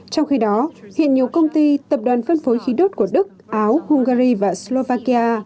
trong khi đó hiện nhiều công ty tập đoàn phân phối khí đốt của đức áo hungary và slovakia